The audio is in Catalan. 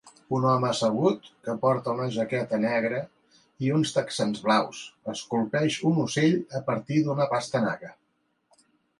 Un home assegut, que porta una jaqueta negra i uns texans blaus, esculpeix un ocell a partir d'una pastanaga.